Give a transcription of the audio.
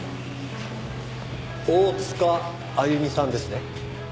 大塚あゆみさんですね？